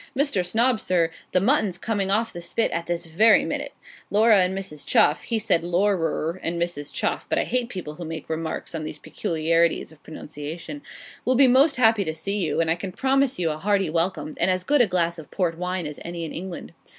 Mr. Snob, sir, the mutton's coming off the spit at this very minute. Laura and Mrs. Chuff' (he said LAURAR and Mrs. Chuff; but I hate people who make remarks on these peculiarities of pronunciation,) 'will be most happy to see you; and I can promise you a hearty welcome, and as good a glass of port wine as any in England.'